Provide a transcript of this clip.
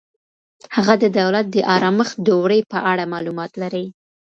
هغه د دولت د آرامښت دورې په اړه معلومات لري.